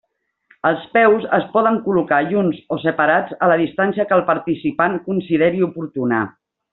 Els peus es poden col·locar junts o separats a la distància que el participant consideri oportuna.